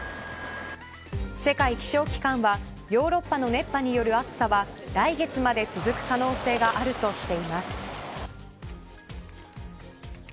世界気象機関はヨーロッパの熱波による暑さは来月まで続く可能性があるとしています。